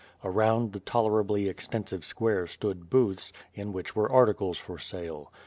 Around the tolerably extensive square stood booths, in which were articles for sale.